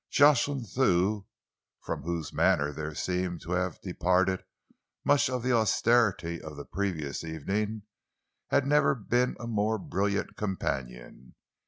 Jocelyn Thew, from whose manner there seemed to have departed much of the austerity of the previous evening, had never been a more brilliant companion.